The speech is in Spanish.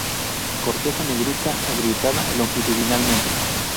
Corteza negruzca agrietada longitudinalmente.